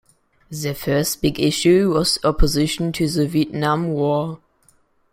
Their first big issue was opposition to the Vietnam War.